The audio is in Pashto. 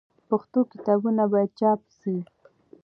پښتو کتابونه باید چاپ سي.